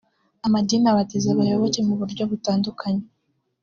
Amadini abatiza abayoboke mu buryo butandukanye